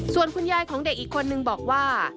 ส่วนคุณยายของเด็กอีกคนนึงบอกว่า